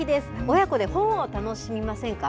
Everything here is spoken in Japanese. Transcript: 親子で本を楽しみませんか。